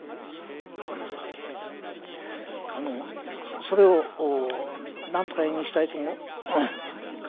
それをなんとか絵にしたいと。